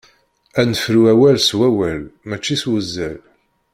Ad nefru awal s wawal mačči s wuzzal.